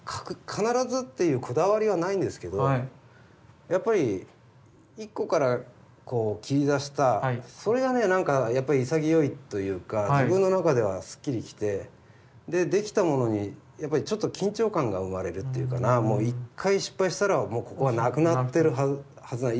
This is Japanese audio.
必ずっていうこだわりはないんですけどやっぱり一個から切り出したそれがねなんかやっぱり潔いというか自分の中ではすっきりきてで出来たものにやっぱりちょっと緊張感が生まれるっていうかな一回失敗したらここはなくなってるはずだ。